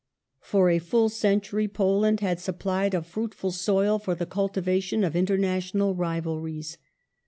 For a full century Poland had supplied a fruitful soil for the cultivation of international rivalries.